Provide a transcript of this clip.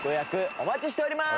お待ちしております！